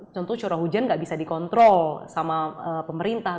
contoh curah hujan nggak bisa dikontrol sama pemerintah